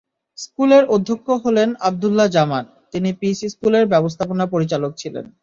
স্কুলের অধ্যক্ষ হলেন আবদুল্লাহ জামান, তিনি পিস স্কুলের ব্যবস্থাপনা পরিচালক ছিলেন।